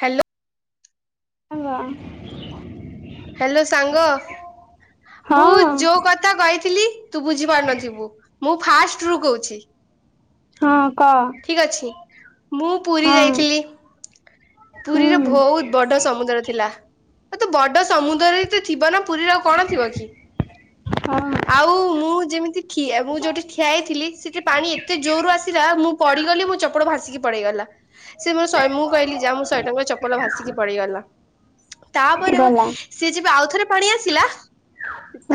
Hello. Hello hello ସାଙ୍ଗ, ମୁଁ ହଁ ଯୋଉ କଥା କହିଥିଲି ତୁ ବୁଝିପାରୁନଥିବୁ ମୁଁ ଫାଷ୍ଟ ରୁ କହୁଛି। ହଁ କହ ଠିକ୍ ଅଛି। ମୁଁ ପୁରୀ ହଁ ଯାଇଥିଲି, ପୁରୀର ହୁଁ ବହୁତ ବଡ ସମୁଦ୍ର ଥିଲା। [unintelligible] ବଡ ସମୁଦ୍ରରେ ତ ଥିବ ନା। ପୁରୀରେ ଆଉ କଣ ଥିବ କି, ହଁ ଆଉ ମୁଁ ଯେମିତିି ମୁଁ ଯୋଉଠି ଠିଆହେଇଥିଲି ସେଠି ପାଣି ଏତେ ଜୋରୁ ଆସିଲା ମୁଁ ପଡିଗଲି ମୋ ଚପଳ ଭାସିକି ପଳେଇଗଲା ସେ ମୋ ଶହେ ମୁଁ କହିଲି ଯା ମୋ ଶହେ ଟଙ୍କାର ଚପଲ ଭାସିକି ପଡିଗଲା, ତାପରେ ଗଲା ସେ ଯେ [unintelligible] ଆଉଥରେ ପାଣି ଆସିଲା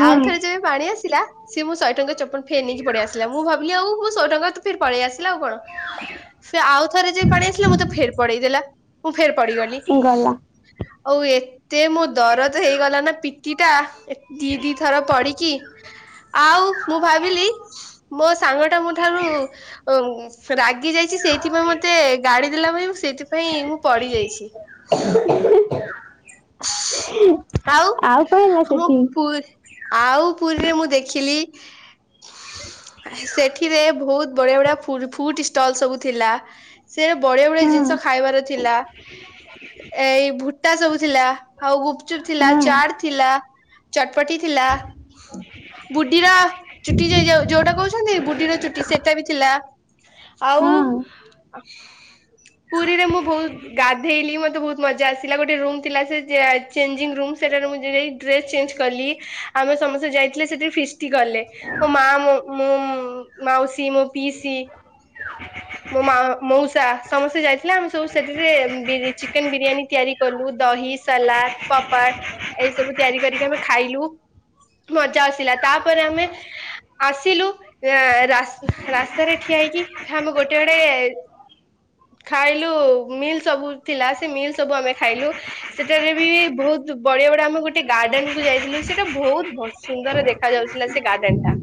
ତାଉଥରେ ଯେବେ ପାଣି ଆସି ଥିଲା ସେ ମୋ ଶହେ ଟଙ୍କା। ଚପ୍ ଫେର୍ ନେଇକି ପଡେଇଆସିଲା ମୁଁ ଭାବିଲି ଆଉ ମୋ ଶହେ ଟଙ୍କା ତ ଫେର୍ ପଳେଇ ଆସିଲା ଆଉ କଣ। ସେ ଆଉ ଥରେ ଯେ ପାଣି ଆସିଲା ମତେ ଫେର୍ ପଡେଇଦେଲା ମୁଁ ଫେର୍ ପଡିଗଲି। ଗଲା ଆଉ ଏ ତେ ମୋ ଦରଦ ତ ହେଇଗଲା ନା ପିଟି। ଟା। [inaudible] ଦି ଦି ଥର ପଡିକି, ଆଉ ମୁଁ ଭାବିଲି ମୋ ସାଙ୍ଗଟା ମୋ ଠାରୁ ଉଁ ସେ ରାଗ୍। ଗି ଯାଇଛି ସେଇଥିପାଇଁ ମୋତେ ଗାଡି ଦେଲା [unintelligible] ସେଥିପାଇଁ ମୁଁ ପଡି ଯାଇଛି। [unintelligible] ଆଉ, କଣ ହେଲା ଆମ ସେଠି ପୁରୀ ଆଉ ପୁରୀରେ ମୁଁ ଦେ ଖିଲି [unintelligible] ସେଠିରେ ବହୁତ୍। ବଢିଆ ବଢିଆ ଫୁଡ୍ ଫୁଟ୍ ଷ୍ଟଲ୍ ସବୁ ଥିଲା। ସେ ବଢିଆ ବଢିଆ ହଁ ଜିନିଷ ଖାଇବାର ଥିଲା, ଏଇ ଭୁ [unintelligible] ଥିଲା ହଉ ଗୁପ୍ତ। ଚୁପ ଥିଲା ହଁ ଚାଟ୍ ଥିଲା ଚଟପଟି ଥିଲା ବୁଢୀର ଚୁଟି ଯୋଉଟା କହୁଛନ୍ତି ବୁଢିର ଚୁଟି ସେଇଟା ବି ଥିଲା। ଆଉ ହଁ ପୁରୀରେ ମୁଁ ବହୁତ ଗାଧେଇଲି ମତେ ବହୁତ ମଜା ଆସିଲା ଗୋଟେ ରୁମ। ମୁ ଡ କ ଆମେ ସମସ୍ତେ ଯାଇଥିଲେ ସେଠ ଫିଷ୍ କଲେ ମାଉୀ ମୋ ପି ସି। ମୋ ମା ମଉସା ସମସ୍ତେ ଯାଇଥିଲେ ଆମେ ସବୁ ସେଥିରେ ଚିକେନ ବିରିୟାନୀ ତିଆରି କଲୁ ଦହି ସଲାଦ ପପାଡ ଏଇ ସବୁ ତିଆରି କରିକି ଆମେ ଖାଇଲୁ ମଜା ଆସିଲା ତାପରେ ଆମେ ଆସିଲୁ ରାସ୍ତାରେ। ଠିଆଇକି ଆମେ ଗୋଟେ ଗେଡେ ଖାଇଲୁ ମିଲ୍ ସବୁ ଥିଲା ସେ ମିଲ୍ ସବୁ ଆମେ ଖାଇଲୁ ସେଠାରେ ବି ବହୁତ ବଢିଆ ବଢିଆ ଆମେ ଗୋଟେ ଗାର୍ଡେନ କୁ ଯାଇଥିଲୁ ସେଟା ବହୁତ ସୁନ୍ଦର ଦେଖା ଯାଉଥିଲା ସେ ଗାର୍ଡେନ ଟା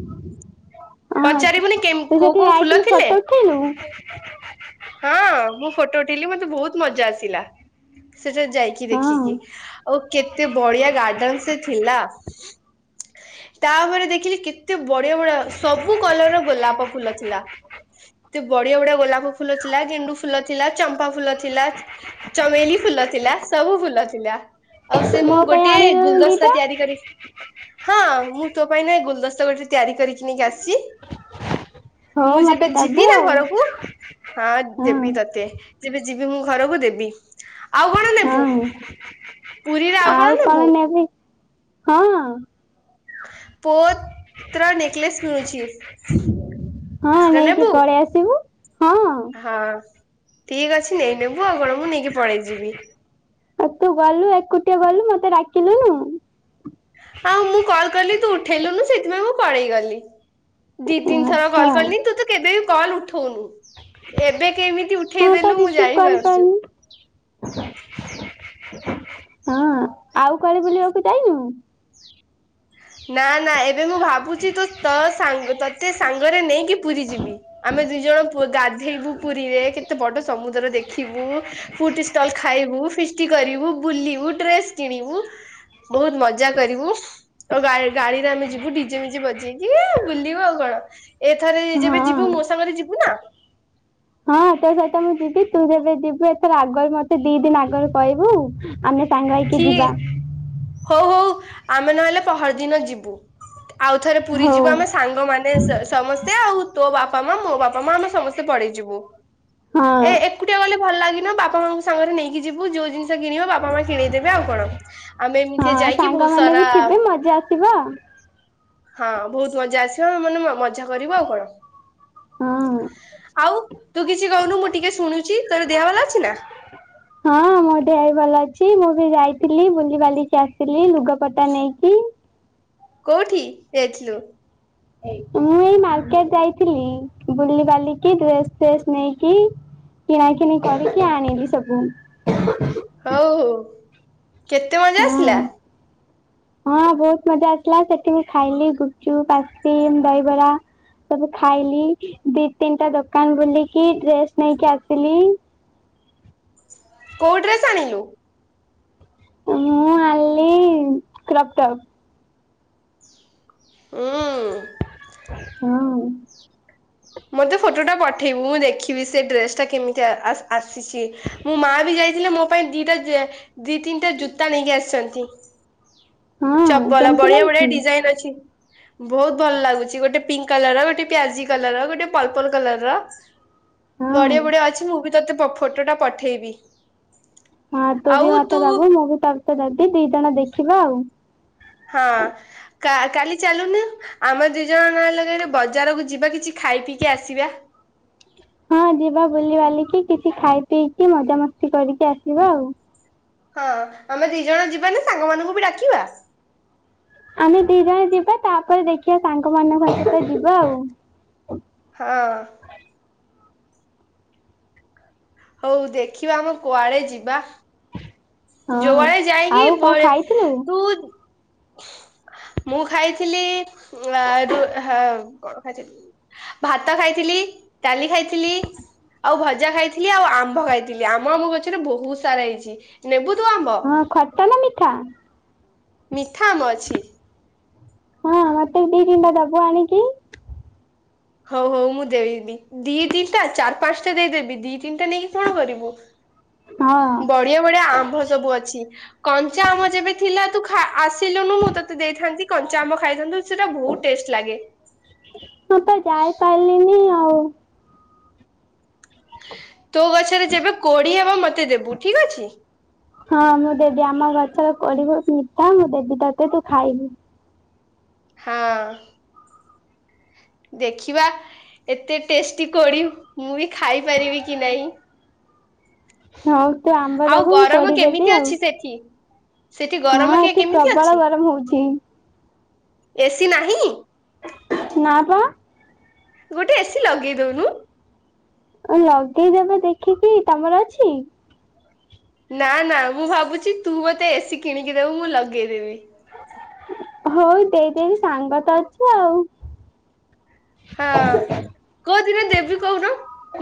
ହଁ ପଚାରିବୁନି। ତୁ କୋଉ ସେଠି କୋଉ ଫୁଲ ଯାଇଥିଲୁ ଥିଲେ ଫଟୋ ଉଠେଇଲୁ। [unintelligible] ହଁ ମୁଁ ଫଟୋ ଉଠେଇଲି ମତେ ବହୁତ ମଜା ଆସିଲା ସେଠା ଯାଇକି ଦେଖିକି ହଁ ଆଉ କେତେ ବଢିଆ ଗାର୍ଡେନ ସେ ଥିଲା ତାପରେ ଦେଖିଲି କେତେ ବଢିଆ ବଢିଆ ସବୁ କଲରର ଗୋଲାପ ଫୁଲ ଥିଲା। ବଢିଆ ବଢିଆ ଗୋଲାପ ଫୁଲ ଥିଲା ଗେଣ୍ଡୁ ଫୁଲ ଥିଲା ଚମ୍ପା ଫୁଲ ଥିଲା ଚମେଲି ଫୁଲ ଥିଲା ସବୁ ଫୁଲ ଥିଲା। ଆଉ ସେ ମୁଁ ମୋ ପାଇଁ ଗୋଟେ ଆଣିଲୁନି ଦିଟା ଗୁଲଦସ୍ତା ତିଆରି କରି। ହଁ ମୁଁ ତୋ ପାଇଁ ନ ଏ ଗୁଲଦସ୍ତା ଗୋଟେ ତିଆରି କରିକି ନେଇକି ଆସିଛି। ମୁଁ ହଉ ଯେବେ ମତେ ଯିବି ଦବୁ ନା ଆଉ। ଘରକୁ ହଁ ହଁ ଦେବି ତତେ। ଯେବେ ଯିବି ମୁଁ ଘରକୁ ଦେବି। ଆଉ କଣ ନେ ହଁ ଆଉ କଣ ନେବୁ? ନେବି। ହଁ। ପୁଅତ୍ର ନେକ୍ଲେସ୍ ମିଳୁଛି। [inaudible] ହଁ ସେଟା ନେଇକି ନେବୁ ପଳେଇ ଆସିବୁ। ହଁ ଆଉ ହଁ। ଠିକ୍ ଅଛି ନେଇନେବୁ ଆଉ କଣ ମୁଁ ନେଇକି ପଳେଇ ଯିବି। ଆଉ ତୁ ଗଲୁ ଏକୁଟିଆ ଗଲୁ ମତେ ଡାକିଲୁନୁ। ଆଉ ମୁଁ କଲ କଲି ତୁ ଉଠେଇଲୁନୁ ସେଥିପାଇଁ ମୁଁ ପଳେଇ ଗଲି। ଦି ତିନି ଥର ଆଚ୍ଛା କଲ୍ କଲିଣି ତୁ ତ କେବେ ବି କଲ୍ ଉଠଉନୁ। ଏବେ କେମିତି ହଁ ତ ଉଠେଇଦେଲୁ ମୁଁ ରିସିଭ ଜାଣିପାରୁଛୁ। କରିପାରନି। ହଁ ଆଉ କାଳେ ବୁଲିବାକୁ ଯାଇନୁ। ନା ନା ଏ ଏ ମୁଁ ଭାବୁଛି ତ ତ ସାଙ୍ଗ ତତେ ସାଙ୍ଗରେ ନେଇକି ପୁରୀ ଯିବି। ଆମେ ଦି ଜଣ ଗାଧେଇବୁ ପୁରୀରେ କେତେ ବଡ ସମୁଦ୍ର ଦେଖିବୁ ଫୁଡ ଷ୍ଟଲ ଖାଇବୁ। ଫିଷ୍ଟି କରିବୁ, ବୁଲିବୁ, ଡ୍ରେସ୍ କିଣିବୁ, ବହୁତ ମଜା କରିବୁ। ଆଉ ଗା ଗାଡିରେ ଆମେ ଯିବୁ। ନିଡିଜେ ମିଜେ ବଜେଇକି ବୁଲିବୁ ଆଉ କଣ। ଏଥରେ ଯେବେ ହଁ ଯିବୁ ମୋ ସାଙ୍ଗରେ ଯିବୁ ନା ହଁ ତ ଆଟ ମୁଁ ଯିବି। ତୁ ଯେବେ ଯିବୁ। ଆଗରେ ମତେ ଦି ଦିନ ଆଗରେ କହିବୁ ଆମେ ସାଙ୍ଗ ହେଇକି ଠି ଯିବା ହଉ ହଉ। ଆମେ ନହେଲେ ପହରଦିନ ଯିବୁ। ଆଉଥରେ ପୁରୀ ହଉ ଯିବୁ ଆମେ ସାଙ୍ଗମାନେେ ସମସ୍ତେ ଆଉ ତୋ ବାପା ମା ମୋ ବାପା ମା ଆମେ ସମସ୍ତେ ପଡେଇଯିବୁ। ହଁ ଏ ଏକୁଟିଆ ଗଲେ ଭଲ ଲାଗିନ ବାପା ମାଆଙ୍କୁ ସାଙ୍ଗରେ ନେଇକି ଯିବୁ ଯୋଉ ଜିନିଷ କିିଣିବ ବାପା ମା କିଣେଇଦେବେ ଆଉ କଣ ଆମେ ଏମିତି ହଁ ଯାଇକି ବହୁତ ସାଙ୍ଗମାନେ ସାରା ବି ଥିବେ ମଜା ଆସିବ ହଁ ବହୁତ ମଜା ଆସିବ। ଆମେ ମାନେ ମଜା କରିବୁ ଆଉ କଣ। ହଁ ଆଉ ତୁ କିଛି କହୁନୁ ମୁଁ ଟିକେ ଶୁଣୁଛି। ତୋର ଦେହ ଭଲ ଅଛି ନା। ହଁ ମୋ ଦେହ ବି ଭଲ ଅଛି ମୁଁ ଯାଇଥିଲି ବୁଲି ବାଲିକି ଆସିଥିଲି। ଲୁଗା ପଟା ନେଇକି। କୋଉଠି ଯାଇଥିଲୁ? ମୁଁ ଏଇ ମାର୍କେଟ ଯାଇଥିଲି ବୁଲିିବାଲିିକି ଡ୍ରେସ ଫ୍ରେସ୍ ନେଇକି କିଣା କିିଣି କରିକି ଆଣିଲି ସବୁ। ହଉ ହଉ। କେତେ ମଜା ଆସିଲା? ହଁ ହଁ ବହୁତ ମଜା ଆସିଲା ସେଠି ମୁଁ ଖାଇଲି ଗୁପଚୁପ ଆଇସ୍କ୍ରିମ୍ ଦହିବରା ସବୁ ଖାଇଲି ଦି ତିନିଟା ଦୋକାନ ବୁଲିକି ଡ୍ରେସ ନେଇକି ଆସିଲି। କୋଉ ଡ୍ରେସ୍ ଆଣିଲୁ? ମୁଁ ଆଲି କ୍ରପଟପ। ହଁ। ହୁଁ। ମତେ ଫଟୋଟା ପଠେଇବୁ ମୁଁ ଦେଖିବି ସେ ଡ୍ରେସ ଟା କେମିତିଆ ଆସ ଆସ ଆସିଛି ମୁଁ ମା ବି ଯାଇ ଥିଲେ ମୋ ପାଇଁ ଦିଟା ଦି ତିନିଟା ଜୁ ଜୁତା ନେଇକି ଆସିଛନ୍ତି। ହଁ ଚପଲ କେମିତି ବଢିଆ ବଢିଆ ଲାଗୁଛି? ଡିଜାଇନ ଅଛି। ବହୁତ ଭଲ ଲାଗୁଛି ଗୋଟେ ପିଙ୍କ କଲର ର ଗୋଟେ ପିଆଜି କଲର ର ଗୋ ଗୋଟେ ପଲପଲ କଲର ର [unintelligible] ହଁ ବଢିଆ ବଢିଆ ଅଛି ମୁଁ ବି ତୋତେ ଫଟୋଟା ପଠେଇବି। ହଁ ତୁ ବି ଆଉ ମତେ ଦବୁ ତୁ ମୁଁ ବି ତତେ ଦେବି ଦି ଜଣ ଦେଖି ଯିବା ଆଉ। ହଁ। କା କାଲି ଚାଲୁନି ଆମ ଦି ଜଣ ଲଗ ବଜାରକୁ ଯିବା କିଛି ଖାଇ ପିଇକି ଆସିବା। ହଁ ଯିବା ବୁଲି ବାଲିକି କିଛି ଖାଇ ପିଇକି ମଜାମସ୍ତି କରିକି ଆସିବା ଆଉ। ହଁ ଆମେ ଦି ଜଣ ଯିବାନା ସାଙ୍ଗମାନଙ୍କୁ ବି ଡାକିବା। ଆମେ ଦି ଜଣ ଯିବା ତାପରେ ଦେଖିବା ସାଙ୍ଗ ମାନଙ୍କ ତ ଯିବା ଆଉ। ହଁ। ହଉ ଦେଖିବା ଆମ କୁଆଡେ ଯିବା। ହଁ ଜୋଆଡ଼େ ଯାଇକି ଆଉ କଣ ବ ଖାଇଥିଲୁ? ତୁ। ମୁଁ ଖାଇଥିଲି ର କଣ ଖାଇଥିଲି ଭାତ ଖାଇଥିଲି ଡାଲି ଖାଇଥିଲି ଆଉ ଭଜା ଖାଇଥିଲି ଆଉ ଆମ୍ବ ଖାଇଥିଲି ଆମ ଆମ ଗଛରେ ବହୁତ ସାରା ହେଇଛି। ନେବୁ। ତୁ ଆମ୍ବ ହଁ ଖଟା ନା ମିଠା। ମିଠା ଆମ୍ବ ଅଛି। ହଁ ମତେ ବୀ ଦି ତିନିଟା ଦବୁ ଆଣିକି। ହଉ ହଉ ମୁଁ ଦେବି ଦି ତିନିଟା ଚାରି ପାଞ୍ଚଟା ଦେଇଦେବି ଦି। ତିନଟା ନେଇକି କଣ କରିବୁ ହଁ ବଢିଆ ବଢିଆ ଆମ୍ବ ସବୁ ଅଛି କଞ୍ଚା ଆମ୍ବ ଯେବେ ଥିଲା ତୁ। ଖ ଆସ। ତୀଲୁନୁ ମୁଁ ତୋତେ ଦେଇଥାନ୍ତି। କଞ୍ଚାମ ଆମ ଖାଇଥାନ୍ତୁ। ସେଟା ବହୁତ ଟେଷ୍ଟ ଲାଗେ ଚାଏ ପାଇଲିନି? ତୋ ଗଛରେ ଯେବେ କୋଡିଏ ହବ ମତେ? ମତେ ଦେବୁ ଠିକ ଅଛି ହଁ ମୁଁ ଦେବି ଆମ ଗଛର ପଡ଼ିବ ମିଠା ମୁଁ ଦେବି ତତେ ତୁ ଖାଇବୁ। ହଁ ଦେଖିବା ଏତେ ଟେଷ୍ଟି କୋଡି ମୁଁ ବି ଖାଇପାରିବି କି ନାହିଁ? ହଁ ତୁ ଆମ୍ବ ଆଉ ଦେବୁ ମୁଁ ଗରମ କୋଳି କେମିତି ଦେବି ଆଉ ଅଛି ସେଠି? ସେଠି ହଁ ଗରମ କେ ଏଠି କେମିତି ପ୍ରବଳ ଗରମ ହଉଛି। ଏସି ନାହିଁ। ନା ବା। ଗୋଟେ ଏସିି ଲଗେଇ ଦଉନୁ। ଲଗେଇଦେବା ଦେଖିକି ତମର ଅଛି। ନା ନା ମୁଁ ଭାବୁଛି ତୁ ମତେ ଏସି କିଣିକି ଦେବୁ ମୁଁ ଲଗେଇଦେବି। ହଉ ଦେଇଦେବି ସାଙ୍ଗ ତ ଅଛୁ ଆଉ। ହଁ କୋ। ଥିଲେ ଦେବି କହୁନୁ।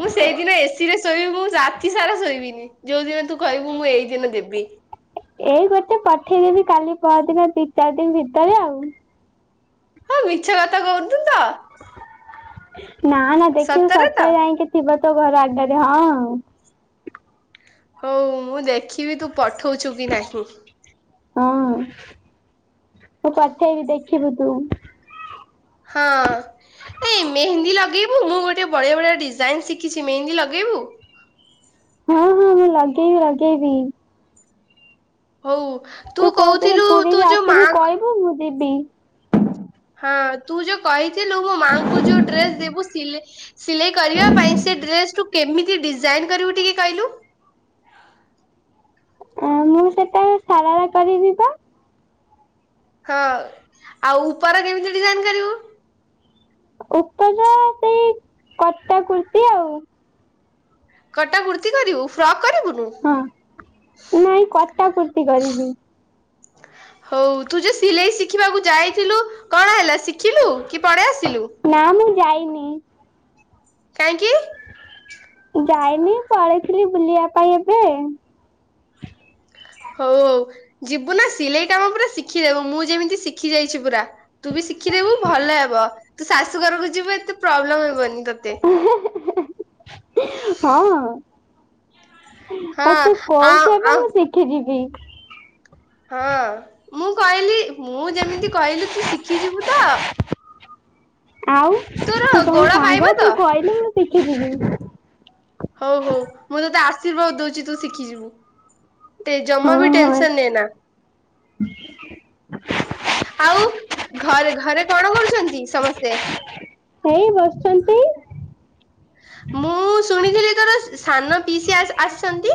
ମୁଁ ସେଇଦିନ ଏସିରେ। ଶୋଇବୁ ମୁଁ ରାତି ସାରା ଶୋଇବିନି ଯୋଉ ଦିନ ତୁ କହିବୁ ମୁଁ ଏଇ ଦିନ ଦେବି ଏଇ ଗୋଟେ ପଠେଇଦେବି କାଲି ପରଦିନ ଦି ଚାରି ଦିନ ଭିତରେ ଆଉ ହଁ ମିଛ କଥା କହୁଛୁ ତ ନା ନା ଦେଖିବି ସତରେ ଯାଇକି ଥିବ ତୋ ଘର ଆଗରେ ହଁ। ହଉ ମୁଁ ଦେଖିବି ତୁ। ପଠଉଛୁ କି ନାହିଁ। ହଁ ମୁଁ ପଠେଇବି ଦେଖିବୁ ତୁ। ହଁ ଏ ମେହେନ୍ଦି ଲଗେଇବୁ ମୁଁ ଗୋଟେ ବଢ଼ିଆ ବଢ଼ିଆ ଡିଜାଇନ ଶିଖିଛି ମେହେନ୍ଦି ଲଗେଇବୁ। ହଁ ହଁ ମୁଁ ଲଗେଇବି ଲଗେଇବି ହଉ। ତୁ କୋଉ ଦିନ କହୁଥିଲୁ ତୁ ପୁରୀରେ ଯୋଉ ଆସିବି ମା କହିବୁ ମୁଁ ଯିବି। ହଁ ତୁ ଯୋଉ କହି। ମାଙ୍କୁ ଯୋଉ ଡ୍ରେସ ଦେବୁ ସିଲେଇ ସିଲେଇ କରିବା ପାଇଁ ସେ ଡ୍ରେସ କେମିତି ଡି। ଜାଇନ୍ କରିବୁ ଟିକେ କହିଲୁ। ଅ ମୁଁ ସେଟା ସାରାରା କରିବି ତ ହଁ ଆଉ ଉପର କେମିତି ଡିଜାଇନ କରିବୁ। ଉପର ସେଇ କଟା କୁର୍ତ୍ତି ଆଉ କଟା କୁର୍ତି କରିବୁ ଫ୍ରକ୍ କରିବୁନୁ? ହଁ ନାଇଁ କଟା କୁର୍ତି କରିବି ହଉ ତୁ ଯୋଉ ସିଲେଇ ଶିଖିବାକୁ ଯାଇଥିଲୁ କଣ ହେଲା ଶିଖିଲୁ କି ପଳେଇ ଆସିଲୁ, ନି କାହିଁକି? ଯାଇନି ପଳେଇଥିଲି ବୁଲିବା ପାଇଁ ଏବେ ହଉ ହଉ ଯିବୁ ନା ସିଲେଇ କାମ ପୁରା ଶିଖିଦବୁ ମୁଁ ଯେମିତି ଶିଖି ଯାଇଛି ପୁରା, ତୁ ବି ଶିଖିଦେବୁ ଭଲ ହବ ତୁ ଶାଶୁ ଘରକୁ ଯିବୁ ଏତେ ପ୍ରେବ୍ଲେମ ହେବନି ତତେ, ହଁ ଅ ଆଉ ତୁ ହଁ ଆ କହୁଛୁ ଏବେ ଆ ମୁଁ ଶିଖି ଯିବି, ହଁ ମୁଁ କହିଲି ମୁଁ ଯେମିତି କହିଲି ତୁ ଶିଖିଯିବୁ ତ ଆଉ ତୋର ତୁ କଣ ଗୋଡ ସାଙ୍ଗ ପାଇବ ତ? ତୁ କହିଲୁ ଶଖିଯିବି ହଉ ହଉ ମୁଁ ତତେ ଆଶୀର୍ବାଦ ଦଉଛି ତୁ ଶିଖିଯିବୁ, ଜମା ହଁ ବି ହଁ। ଟେନସନ ନେ ନା ଆଉ ଘରେ ଘରେ କଣ କରୁଛନ୍ତି ସମସ୍ତେ? ଏଇ ବସିଛନ୍ତି ମୁଁ ଶୁଣିଥିଲି ତୋର ସାନ ପିଇସୀ ଆସିଛନ୍ତି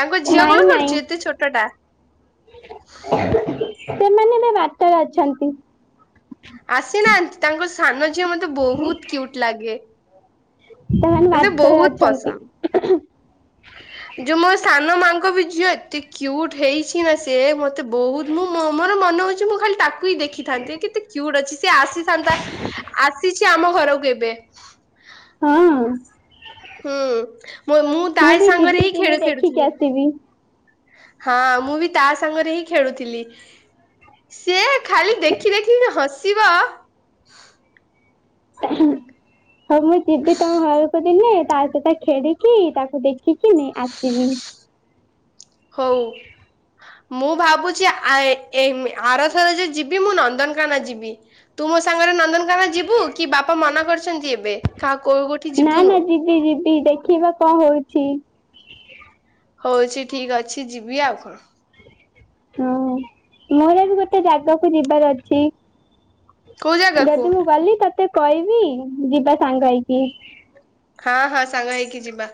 ତାଙ୍କ ଝିଅ ନାଇଁ କଣ ନାଇଁ କରୁଛି ଏତେ ଛୋଟ ଟା, [unintelligible] ସେମାନେ ଏବେ ବାଟରେ ଅଛନ୍ତି, ଆସିନାହାନ୍ତି ତାଙ୍କ ସାନ ଝିଅ ମତେ ବହୁତ କିଉଟ୍ ଲାଗେ, ସେମାନେ ମତେ ବାଟରେ ବହୁତ ଅଛନ୍ତି ପସନ୍ଦ ଯୋଉ ମୋ ସାନ ମାଙ୍କ ବି ଝିଅ ଏତେ କ୍ୟୁଟ୍ ହେଇଛି ନା ସେ ମତେ ବହୁତ ମୁଁ ମୋର ମନ ହଉଛି ମୁଁ ଖାଲି ତାକୁ ହିଁ ଦେଖିଥାନ୍ତି କେତେ କ୍ୟୁଟ ଅଛି ସେ ଆସିଥାନ୍ତା ଆସିଛି ଆମ ଘରକୁ ଏବେ ହଁ। ହୁଁ ମୁଁ ତା ବି ସାଙ୍ଗରେ ଯିବି ହିଁ ଦିନେ ଖେଳ ଦେଖିକି ଖେଳୁଥିଲି। ଆସିବି ହଁ ମୁଁ ବି ତା ସାଙ୍ଗରେ ହିଁ ଖେଳୁଥିଲି ସିଏ ଖାଲି ଦେଖି ଦେଖିକି ହସ ଯିବ ହ ହଉ ମୁଁ ଯିବି ତମ ଘରକୁ ଦିନେ ତା ସହିତ ଖେଳିକି ତାକୁ ଦେଖିକି ନେଇ ଆସିବି। ହଉ। ମୁଁ ଭାବୁଛି ଆ ଏ ଆର ଥରେ ଯୋଉ ଯିବି ମୁଁ ନ ନ୍ଦନକାନନ ଯିବି। ତୁ ମୋ ସାଙ୍ଗରେ ନନ୍ଦନ କାନନ ଯିବୁ କି ବାପା ମନ କରୁ ଛନ୍ତି ଏବେ କାହାକୁ ନା ନା ଯିବି ଯିବି ଦେଖିବା କଣ ହଉ ଛି। ହଉଛି ଠିକ ଅଛି ଯିବି ଆଉ କଣ। ହଁ ମୋର ବି ଗୋଟେ ଜାଗାକୁ ଯିବାର ଅଛି। କୋଉ ଜାଗାକୁ ଯଦି ମୁଁ ଗଲି ତତେ କହିବି ଯିବା ସାଙ୍ଗ ହେଇକି। ହଁ ହଁ ସାଙ୍ଗ ହେଇକି ଯିବା।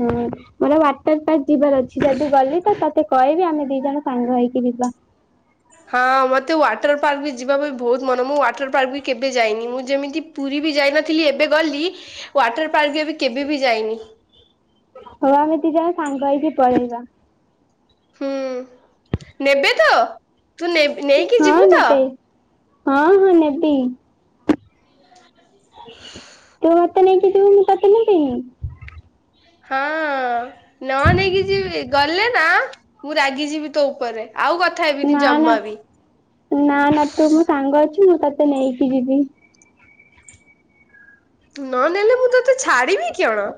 ହୁଁ ମୋର ଓ୍ବାଟର ପାର୍କ ଯିବାର ଅଛି ଯଦି ଗଲି ତ ତତେ ତେ କହିବି ଆମେ ଦି ଜଣ ସାଙ୍ଗ ହେଇକି ଯିବା। ହଁ ମତେ ୱାଟର ପାର୍କ ବି ଯିବା ପାଇଁ ବହୁତ ମନ ମୁଁ ୱାଟର ପାର୍କ ବି କେବେ ଯାଇନି ମୁଁ ଯେମିତି ପୁରୀ ବି ଯାଇନଥିଲି ଏବେ ଗଲି ୱାଟର ପାର୍କ ଏବେ କେବେ ବି ଯାଇନି। ହଉ ଆମେ ଦି ଜଣ ସାଙ୍ଗ ହେଇକି ପଳେଇବା। ହୁଁ ନେବେ ତ ତୁ ନେ ନେଇକି ହଁ ଯିବୁ ତ? ନେବେ ହଁ ହଁ ନେବି। ତୁ ମତେ ନେଇକି ଯିବୁ ମୁଁ ତତେ ନେବିନି। ହଁ ନ ନେଇକି ଯିବି ଗଲେ ନା ମୁଁ ରାଗି ଯିବି ତୋ ଉପରେ। ଆଉ କଥା ହେବିନି ନା ନା ଜମା ବି ନା ନା ତୁ ମୋ ସାଙ୍ଗ ଅଛୁ ମୁଁ ତତେ ନେଇକି ଯିବି। ନ ନେଲେ ମୁଁ ତ ତେ ଛାଡିବି କିଅଣ।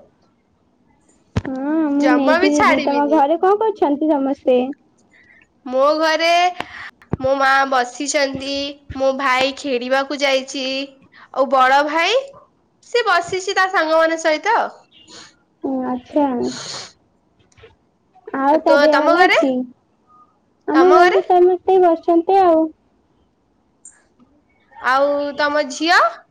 ହଁ ମୁଁ ବି ନେଇକି ଯିବୀ ତମ ଛାଡିବିନି ଘରେ କଣ କରୁଛ ଛନ୍ତି ସମସ୍ତେ । ମୋ ଘରେ ମୋ ମାଆ ବସି ସିଛନ୍ତି ମୋ ଭାଇ ଖେଳିବାକୁ ଯାଇଛି ଆଉ ବଡ ଭାଇ ସେ ବସିଛି ତା ସାଙ୍ଗ ମାନଙ୍କ ସହିତ। ହୁଁ ଆଚ୍ଛା । ଆଉ ତା ତ ଦେହ ତମ ଭଲ ଘରେ ଅଛି । ଆମ ଘରେ ବି ସମସ୍ତେ ବସି ଛନ୍ତି ଆଉ । ଆଉ ତମ ଝିଅ ।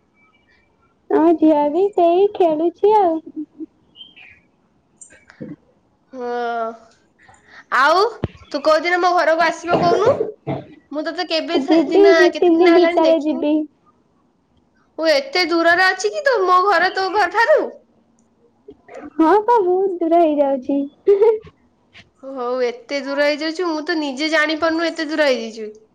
ହଁ ଝିଅ ବିି ସେଇ ଖେଳୁଛି ଆଉ । ହଁ ଆଉ ତୁ କୋଉ ଦିନ ମୋ ଘରକୁ ଆସିବ କହୁନୁ ମୁଁ ତୋତେ କେବେ ସେ ଯିବି ଦିନ ଦି କେତେ ତିନି ଦିନ ହେଲାଣି ଭିତରେ ଦେଖିନି ଯିବି । ମୁଁ ଏତେ ଦୂରରେ ଅଛି କି ତୁ ମୋ ଘର ତୋ ଘର ଠାରୁ ହଁ ପା ବହୁତ ଦୂର ହେଇଯାଉଛି । ହଉ ଏତେ ଦୂର ହେଇଯାଉଚୁ ମୁଁ ତ ନିଜେ ଜାଣିପାରୁନୁ ଏତେ ଦୂର ହେଇଯାଇଛି ବୋଲି ।